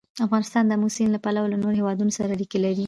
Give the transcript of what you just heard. افغانستان د آمو سیند له پلوه له نورو هېوادونو سره اړیکې لري.